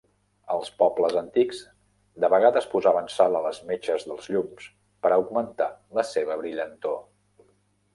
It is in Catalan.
Els pobles antics de vegades posaven sal a les metxes dels llums per augmentar la seva brillantor.